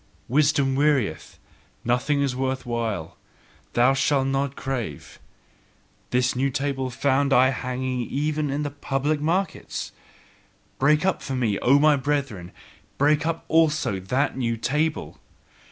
"Wisdom wearieth, nothing is worth while; thou shalt not crave!" this new table found I hanging even in the public markets. Break up for me, O my brethren, break up also that NEW table!